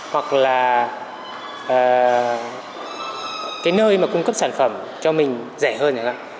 hoặc là cái nơi mà cung cấp sản phẩm cho mình rẻ hơn chẳng hạn